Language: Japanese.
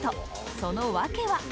その訳は。